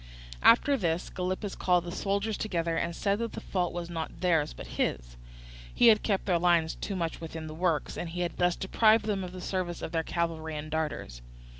After this Gylippus called the soldiers together, and said that the fault was not theirs but his; he had kept their lines too much within the works, and had thus deprived them of the services of their cavalry and darters.